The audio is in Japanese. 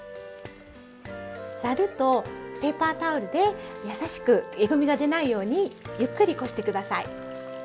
ざるとペーパータオルで優しくえぐみが出ないようにゆっくりこして下さい。